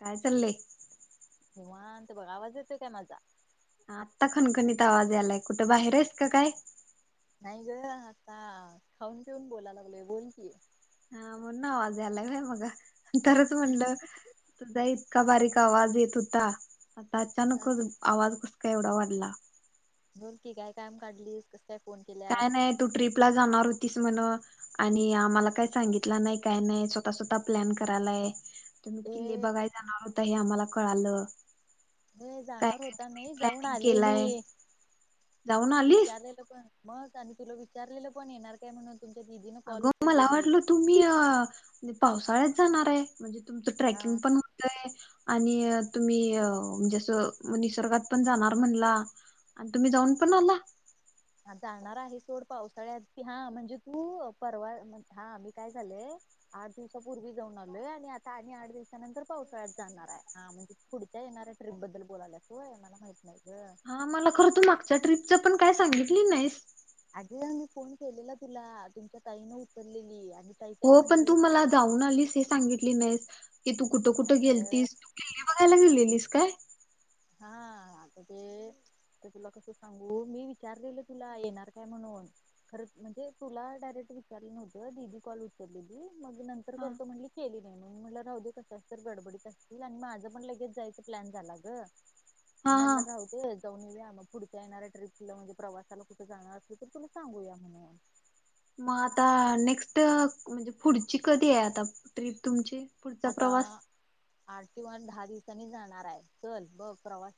काय चाललय. निवांत बघ आवाज येतोय काय माझा, आत्ता खणखणीत आवाज यायलाय कुट बाहेर हेस क काय? नाही ग आता खाऊन पीऊन, बोला लागलोय बोल की. हा म्हणून आवाज यायला लागला मगा. तरचं म्हणलं तुजा ईत इतका बारीक आवाज येत हुता, आता अचानक [unintelligible] आवाज क केवढा वाढला. बोल की काय काम काढलीस कस काय? फोन केल्यास काय नाही तू ट्रीप ला जाणार होत तीस म्हण, आणि आम्हाला काय सांगितलं नई काय नई, स्वतः स्वतः प्लॅन करालाय. तुम्ही ए किल्ले बघाय जाणार होत त हे आम्हाला कळालं. होय काय जाणार काय होता, तुम्ही नई जाऊन प्लॅनिंग आले मी केलाय जाऊन आलीस विचारलेलं पण. म त्याने तुला विचारलेलं पण, येणार काय म्हणून. तुमच्या दिदीनं कॉल अगं मला उचललेली वाटलं तुम्ही अ पावसाळ्यात जाणार आहे म्हणजे? तुमचं ट्रॅकिंग हा पण होतय आणि अ तुम्ही अ म्हणजे असं म निसर्गात पण जाणार म्हणला, अन तुम्ही जाऊन पण आला. हा जाणार आहे सोड पावसाळ्यात की, हा म्हणजे तू अ परवा मन हा मी काय झालेय आठ दिवसापूर्वी जाऊन आलेय, आणि आता आणि आठ दिवसानंतर पावसाळ्यात जाणार आहे, हा म्हणजे पुढच्या येणाऱ्या ट्रीप बद्दल बोलायलास होय मला माहित नाही ग हा मला खरं त मागच्या ट्रिप तुज पण काय सांगितली नाहीस. अग मी फोन केलेला तुला, तुमच्या ताईन उतललेली. हो पण तू मला जाऊन आलीस हे सांगितली नाहीस. की तू कुठं कुठं अगं गेलतीस [unintelligible] गेलेलीस. काय? हा आता ते, ते तुला कस सांगू मी विचारलेलं तुला येणार काय म्हणून. खर म्हणजे तुला डायरेक्ट विचारलं नव्हतं दीदी, कॉल उचलेली मग नंतर हा करतो केली म्हणून म्हटलं राहुदे कशाच्या तर गडबडीत असचील आणि माझं पण लगेच जायचं प्लॅन झाला गं. मी हा म्हणलं राहुदे जाऊन येऊया म. पुढच्या येणाऱ्या ट्रीपला म्हणजे प्रवासाला कुठे जाणार असली तर तुला सांगूया म्हणून. मग आता नेस्ट म्हणजे पुढची कधी हाय आता ट्रीप तुमची? पुढचा आता प्रवास आठ किंवा दहा दिवसांनी जाणार हाय चल बघ प्रवास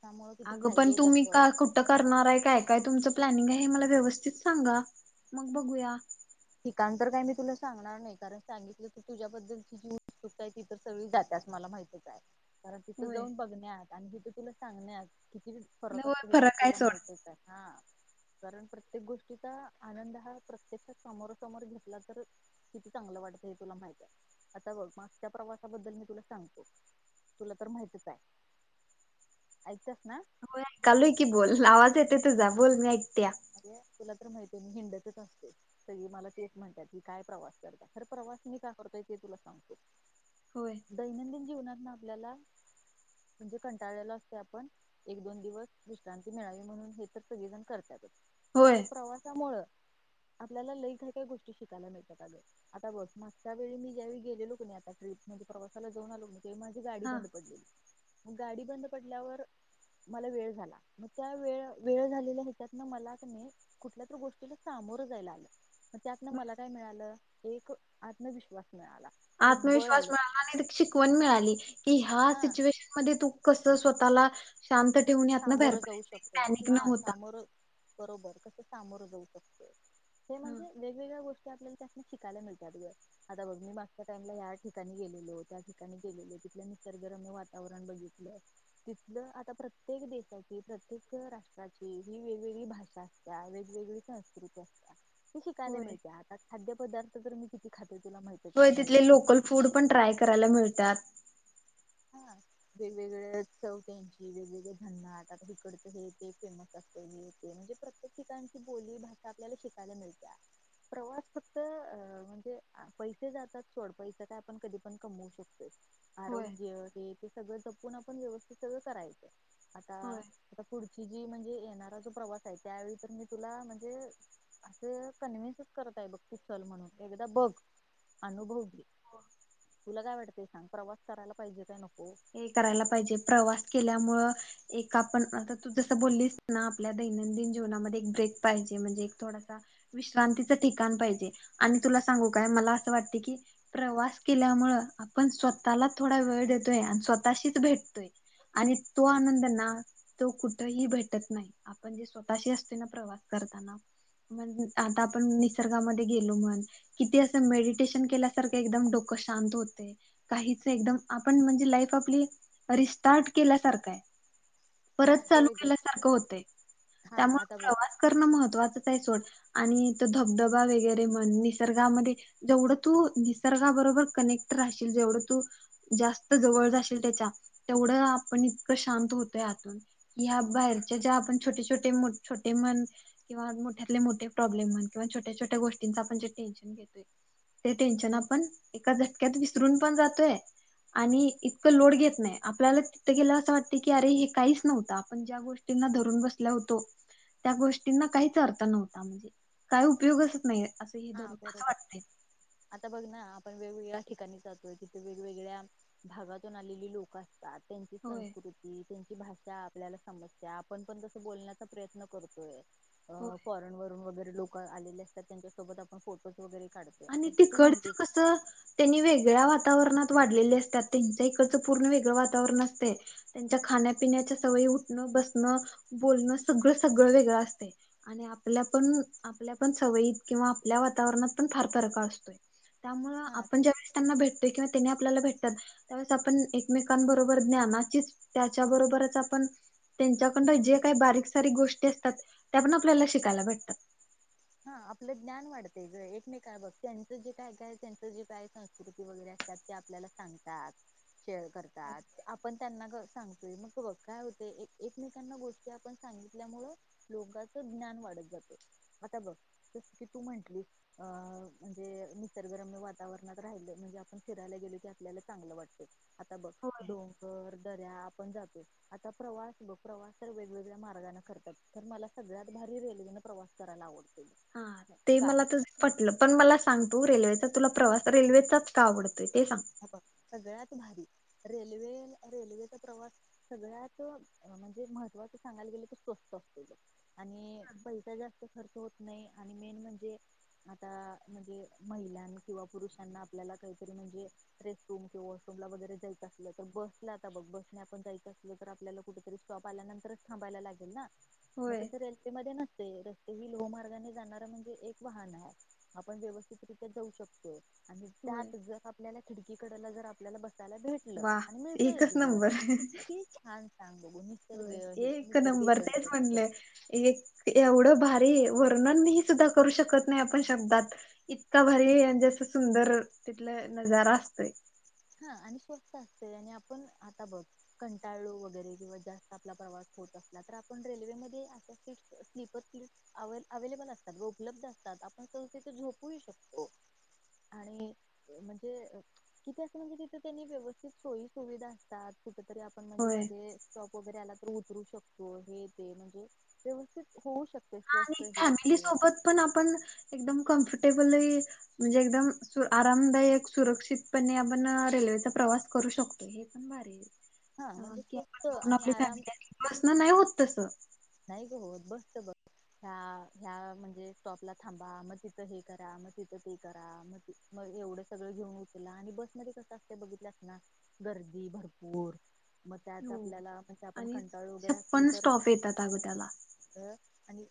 आगं पण तुम्ही का कुठं करणार हाय काय काय तुमचं प्लनिंग हाय मला व्यवस्थित सांगा मग बघूया ठिकाण तर काय मी तुला सांगणार नाही कारण, सांगितलो तर तुझ्या बद्दलची जी उत्सुकता हाय ती तर सगळी जात्याच, मला माहितच हाय. कारण तिथं होय जाऊन बघण्यात आणि तिथं तुला सांगण्यात किती फरक होय आसतोय ते तर फरक आहे तुला सोड माहितयच हाय हा कारण प्रत्येक गोष्टीचा आनंद हा प्रत्यक्षात समोरा समोरा घेतला तर किती चांगलं वाटतंय तुला माहित्याय. आता बघ मागच्या प्रवासाबद्दल मी तुला सांगतो. तुला तर माहितच हाय ऐकत्यास होय एकालोय की बोल आवाज येतोय तूझा बोल मी ऐकत्या अरे तुला तर माहिती हिंडतच असतयं सगळी मला तेच म्हणत्यात ही काय प्रवास करत्या खर प्रवास मी का करतोय? ते तुला सांगतो. होय दैनंदिन जीवनात आपल्याला म्हणजे कंटाळलेलो असतोय आपण एक दोन दिवस विश्रांती मिळावी म्हणून हे तर सगळीजण करत खरं होय प्रवासामुळ आपल्याला लई काय काय गोष्टी शिकायला मिळतात. आगं आता बघ मागच्या वेळी मी ज्यावेळी गेलेलो कनी आता ट्रीप म्हणजे प्रवासाला जाऊन आलो मी [unintelligible] माझी गाडी हा बंद पडली मग गाडी बंद पडल्यावर मला वेळ झाला. मग त्या वेळ वेळ झालेल्या हेच्यातन मला कणी कुठल्यातरी गोष्टीला सामोरं जायला आलं. मग त्यातनं मला काय मिळालं? मी खु आत्मविश्वास मिळाला एक बळ आत्मविश्वास आलं मिळाला आणि शिकवण मिळाली कि ह्या हा सिच्युएशन मध्ये तू कस स्वतःला शांत ठेवून यातन बाहेर सामोरं जाऊ पडायचं शकतो पॅनिक हा न होता. सामोरं बरोबर कसे सामोर जाऊ शकतो. ते हा, म्हणजे वेगवेगळ्या गोष्टी आपल्याला त्या शिकायला मिळतात गं आता बघ मी मागच्या टाइमला या ठिकाणी गेलेलो त्या ठिकाणी गेलेलो तिथल निसर्गरम्य वातावरण बघितलं तिथल आता प्रत्ये प्रत्येक देशाची प्रत्येक राष्ट्राची ही वेगवेगळी भाषा आसत्या वेगवेगळी संस्कृती असत्या ती शिकायला होय मिळतीया आता खाद्य पदार्थ तर मी किती खाते तुला माहितच आहे होय तिथले बाहेरच लोकल फूड पण ट्राय करायला मिळत्यात. हा वेगवेगळ्या चव त्याची वेगवेगळे झणाट आता हिकडच हे ते फेमस असलय हे ते म्हणजे प्रत्येक ठिकाणची बोली भाषा आपल्याला शिकायला मिळतिया प्रवास फक्त अ म्हणजे पैसे जातात सोड पैसा काय आपण कधी पण कमवू शकतोय होय येथे सगळं जपून आपण व्यवस्थित करायचं. आता होय आता पुढ ची जी म्हणजे येणारा जो प्रवास आहे त्यावेळी तर मी तुला म्हणजे असं कन्व्हेन्सच करत आहे बघ तू चल म्हणून एकदा बघ अनुभव घे. हो तुला काय वाटत सांग प्रवास करायला पाहिजे काय नको? ये करायला पाहिजे, प्रवास केल्यामुळ एक आपण आता तू जसं बोललीस ना आपल्या दैनंदिन जीवनामध्ये एक ब्रेक पाहिजे म्हणजे एक थोडासा विश्रांतीच ठिकाण पाहिजे आणि तुला सांगू काय मला असं वाटते की प्रवास केल्यामुळे आपण स्वतःला थोडा वेळ देतोय आणि स्वतःशीच भेटतोय आणि तो आनंद ना तो कुठही भेटत नाही, आपण जे स्वतःशी असतोय ना प्रवास करताना म आता आपण निसर्गामध्ये गेलो म्हण किती असं मेडिटेशन केल्यासारखं एकदम डोक शांत होते काहीच एकदम आपण म्हणजे लाईफ आपली रिस्टार्ट केल्यासारख आहे. परत हा चालू होय ग केल्यासारखं होते हा त्यामुळे आता बघ प्रवास करणं महत्त्वाचंच आहे सोड- आणि तो धबधबा वगैरे म्हण निसर्गामध्ये जेवढं तू निसर्गाबरोबर कनेक्ट राहशील जेवढं तू जास्त जवळ जाशील त्याच्या तेवढं आपण इतकं शांत होतोय आतून की ह्या बाहेरच्या ज्या आपण छोटे छोटे छोटे म्हण किंवा मोठ्यातले मोठे प्रॉब्लेम म्हण किंवा छोट्या छोट्या गोष्टींच आपण जे टेन्शन घेतोय ते टेन्शन आपण एका झटक्यात विसरून पण जातोय आणि इ तक लोड घेत नाही आपल्याला तिथं गेल्यावर असं वाटत की, अरे! हे काहीच नव्हतं आपण ज्या गोष्टींना धरून बसलो होतो त्या गोष्टींना काहीच अर्थ नव्हता म्हणजे काय उपयोगच नाही. असं हे हा दरु कस बरोबर वाटतय, आता बघ ना आपण वेगवेगळ्या ठिकाणी जातोय तिथे वेगवेगळ्या भागातून आलेली लोक असतात. त्यांची होय संस्कृती, त्यांची भाषा आपल्याला समजते आपण पण कसं बोलण्याचा प्रयत्न करतोय, हो अ फॉरन वरून वगैरे लोक आलेले असतात त्यांच्या सोबत आपण फोटोज वगैरे काढतोय आणि आता तू तिकडच म्हणलीस कस त्यांनी वेगळ्या तावरणात वाढलेले असतात त्यांच्या इकडचं पूर्ण वेगळं वातावरण असतय त्यांच्या खाण्यापिण्याच्या सवयी उठणं, बसणं, बोलणं सगळ सगळं वेगळं असतय आणि आपल्या पण आपल्यापण सवयीत किंवा आपल्या वातावरणात पण फार फरक असतोय. त्यामुळ हा आपण ज्या वेळेस त्यांना भेट य किंवा आपल्याला भेटतात त्यावेळेस आपण एकमेकांबरोबर ज्ञानाचीच त्याच्याबरोबरच आपण त्यांच्याकंड जे काही बारीक सारीक गोष्टी असतात त्या पण आपल्याला शिकायला भेटतात. हा आपलं ज्ञान वाढतंय ग एकमेक बघ त्यांचं जे काय काय त्यांच जे काय संस्कृती वगैरे असतात ते आपल्याला सांगतात, शेअर करतात आपण त्यांना कर सांगतोय मग हे बघ काय होतय एक एकमेकांना गोष्टी आपण सांगितल्यामुळं लोकांचं ज्ञान वाढत जातय. आता बघ जस की तू म्हंटलीस अं म्हणजे निसर्गरम्य वातावरणात राहिलं म्हणजे आपण फिरायला गेलो की आपल्याला चांगलं वाटतं, आता बघ होय डोंगर दऱ्या आपण जातो आता प्रवास बघ प्रवास तर वेगवेगळ्या मार्गाने करतात तर मला सगळ्यात भारी रेल्वेनं प्रवास करायला आवडतो. हा ते का मला तुझ पटलं, पण मला सांग तू रेल्वेचा तुला प्रवास रेल्वेचाच का आवडतो. हे बघ सगळ्यात भारी रेल्वे रेल्वेचा प्रवास सगळ्यात म्हणजे महत्त्वाच सांगायला गेलं क स्वस्त असतोय तो, आणि पैसा जास्त खर्च होत नाही आणि मेन म्हणजे आता म्हणजे महिलां किंवा पुरुषांना आपल्याला काहीतरी म्हणजे रेस्टरूम किंवा वॉशरूम ला वगैरे जायचं असलं तर बसला आता बघ बसने आपण जायचं असलं तर आपल्याला कुठेतरी स्टॉप आल्यानंतरच थांबायला लागेल ना मग होय तस रेल्वेमध्ये नस ते, रस्ते ही लोहमार्गाने जाणार म्हणजे एक वाहन आहे आपण व्यवस्थितरित्या जाऊ शकतोय. आणि होय. त्यात जर आप पल्याला खिडकीकडला जर आपल्याला बस वा एकच नंबर किती छान सांग बघू निसर्ग होय हे एक निसर्ग नंबर तेच इकडचं तिकडचं म्हणलं एक एवढं भारी वर्णनही सुद्धा करू शकत नाही आपण शब्दात इतका भारी म्हणजे असा सुंदर तिथलं नजारा असतोय. हा आणि स्वस्त असय आणि आपण आता बघ कंटाळलो वगैरे किंवा जास्त आपला प्रवास होत असला तर आपण रेल्वेमध्ये अश सीट स्लीपर सीट अव अवेलेबल असतात उपलब्ध असतात आपण स झोप शकतो आणि म्हणजे ठीक ये म्हणे तिथे त्यांनी व्यवस्थित सोयी सुविधा असतात. कुठेतरी आपण म्हणजे होय. मध्ये स्टॉप वगैरे आला तर उतरू शकतो हे ते म्हणजे व्यवस्थित होऊ शकते हा स्वस्त आणि हे फॅमिली ते सोबत पण आपण एकदम कमफट टेबल म्हणजे एकदम आरामदायक सुरक्षितपणे आपण रेल्वेचा प्रवास करू शकतो हे पण भारी हा अ म्हणजे कि स्वस्त आप द आणि आपली आराम फॅमिली बस न नाही होत तस नाही ग होत बसच बस ह्या ह्या म्हणजे स्टॉपला थांबा मग तिथं हे करा मग तिथं ते करा मग मग एवढं सगळं घेऊन उचला आणि बस मध्ये कस असतय बघितलल्यास ना गर्दी भरपूर मग त्यात हो आपल्याला म्हणजे आपण आणि कंटाळलो वगैरे असलो छप्पन तर स्टॉप येतात अगं त्याला अ आणि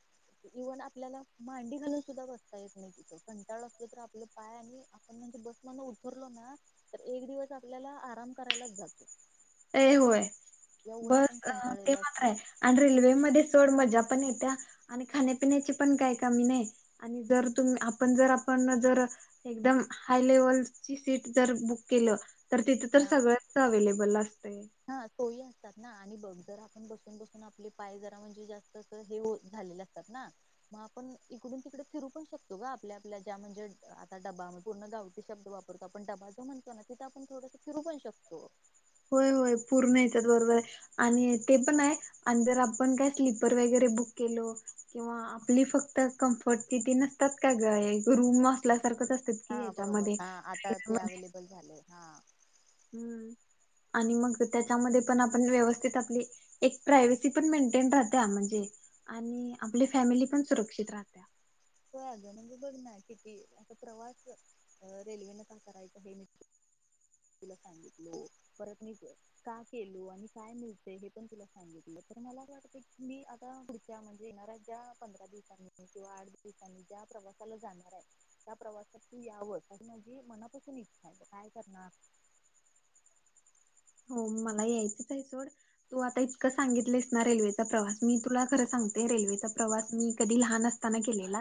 इव्हन आपल्याला मांडी घालून सुद्धा बसता एक नाही तिथं कंटाळ असलो तरी आपले पाय आणि आपण म्हणजे बस म उतरलो ना तर एक दिवस आपल्याला आराम करायलाच जातो. ते होय एवढा आपण बस ते कंटाळलेला मात्र असतो आहे आणि रेल्वेम ध्ये सोड मजा पण येत्या आणि खाण्यापिण्याची पण काही कमी नाही आणि जर आपण जर आपण जर एकदम हाय लेवलची सीट जर बुक केल तर तिथ तर हा सगळंच अव्हेलेबल अस हा सोयी असतात ना हा आणि बघ जर आपण बसून बसून आपले पाय जरा म्हणजे जास्त अस हे झालेले असतात ना मग आपण इकडून तिकडे फिरू पण शकतो ग आपल्या आपल्या ज्या म्हणजे आता डबा म पूर्ण गावठी शब्द वापरतो आपण डबा जो म्हणतो ना तिथं आपण थोडस फिरू पण शकतो. होय होय पूर्ण येतात बरोबर ये आणि ते पण आहे आणि जर आपण काय स्लीपर वगैरे बुक केलो किंवा आपली फक्त कम्फर्टची ती नसतात का ग रूम असल्यासारखं अस हा बरोबर हा आता ते अवेलेबल झालेय. हा हूं आणि मग त्याच्यामध्ये पण आपण व्यवस्थित आपली एक प्रायवसी पण मेंटेन राहत्या म्हणजे आणि आपली फॅमिली पण सुरक्षित राहत्या. होय अग बघ ना किती असता प्रवास रेल्वेने का करायचा हे मि तुला सांगितलो परत मी का केलो आणि काय मिळत हे पण तुला सांगितलं तर मला वाटतं की मी आता पुढच्या म्हणजे येणाऱ्या ज्या पंधरा दिवसांनी किंवा आठ ठिकाणी ज्या प्रवासाला जाणार आहे त्या प्रवासात तू यावं माझी मनापासून इच्छा आहे काय करणार हो मला यायचच आहे सोड तू आता इतकं सांगितलंस ना रेल्वेचा प्रवास मी तुला खरं सांगते रेल्वेचा प्रवास मी कधी लहान असताना केलेला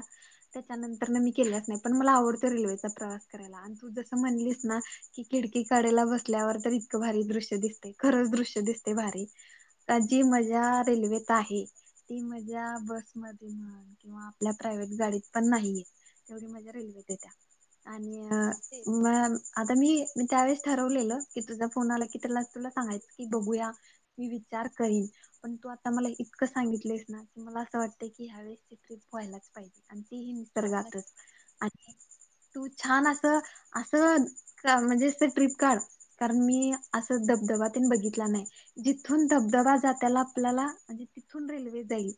त्याच्यानंतर न मी केलाच नाही पण मला आवडतो रेल्वेचा प्रवास करायला आणि तू जसं म्हणलीस ना की खिडकी कडेला बसल्यावर तर इतकं भारी दृ दि खरच दृश्य दिसते भारी आ जी मजा रेल्वेत आहे ती मज्या बसमध्ये म्हण किंवा आपल्या प्रायवहेट गाडीत पण नाहीये तेवढी मा रेल्वेत येत्या आणि हा ते म तर मी त्यावेळेस ठरवलेलं की तुझ्या फोन आला की त्याला तुला सांगायचं की बघूया मी विचार करन पण तू आता मला इतकं सांगितलेस ना की मला असं वाटते की ह्यावेळेची ट्रिप व्हायलाच पाहिजे हा नक्की निसर्गातच तू छान अस असं म्हणजे ट्रिप काढ कारण मी असं धबधबातने बघितला नाही जिथून धबधबा जात्याला आपल्याला म्हणजे तिथून रेल्वे जाईल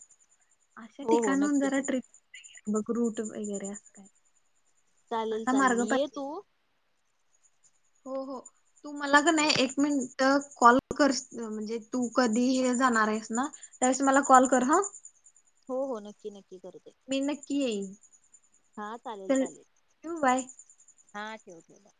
अशा हो हो ठिकाणहून नक्की जरा नक्की ट्रिप बघ र्रूट वगैरे असतय चालेल चालेल ये तू हो हो तू मला का हो नाही एक मिनट कॉल कर म्हणजे तू कधी हे जाणार आहेस ना त्या वेळेस मला कॉल कर ह हो नक्की नक्की करेल मी नक्की येईन हा चालेल चल चालेल ठेवू बाय हा [inaudible]